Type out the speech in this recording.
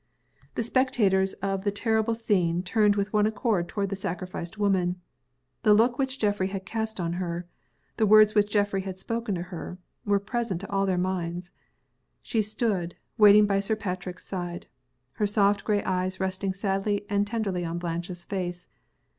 The spectators of the terrible scene turned with one accord toward the sacrificed woman. The look which Geoffrey had cast on her the words which Geoffrey had spoken to her were present to all their minds. She stood, waiting by Sir Patrick's side her soft gray eyes resting sadly and tenderly on Blanche's face.